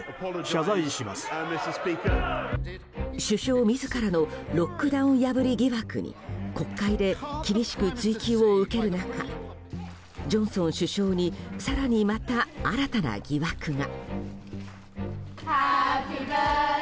首相自らのロックダウン破り疑惑に国会で厳しく追及を受ける中ジョンソン首相に更にまた新たな疑惑が。